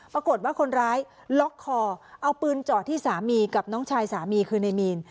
ปรากฏว่าคนร้ายล็อกคอเอาปืนเจาะที่สามีกับน้องชายสามีคือในมีน